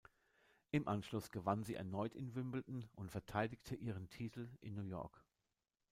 Im Anschluss gewann sie erneut in Wimbledon und verteidigte ihren Titel in New York.